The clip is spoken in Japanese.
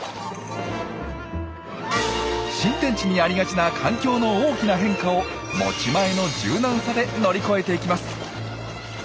新天地にありがちな環境の大きな変化を持ち前の柔軟さで乗り越えていきます。